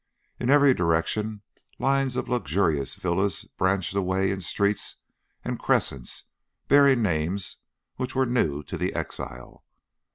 In every direction, lines of luxurious villas branched away in streets and crescents bearing names which were new to the exile.